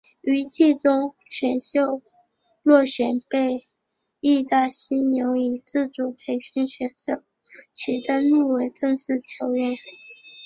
于季中选秀落选被被义大犀牛以自主培训选手其登录为正式球员。